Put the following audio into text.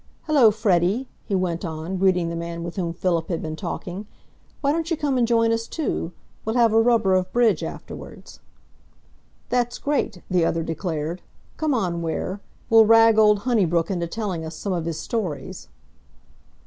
Hullo, Freddy!" he went on, greeting the man with whom Philip had been talking. "Why don't you come and join us, too? We'll have a rubber of bridge afterwards." "That's great," the other declared. "Come on, Ware. We'll rag old Honeybrook into telling us some of his stories."